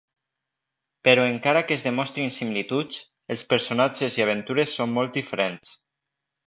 Però encara que es demostrin similituds, els personatges i aventures són molt diferents.